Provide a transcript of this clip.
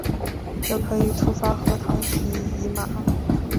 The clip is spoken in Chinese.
这可以触发核糖体移码。